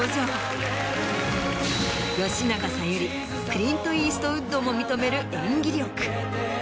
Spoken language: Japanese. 吉永小百合クリント・イーストウッドも認める演技力。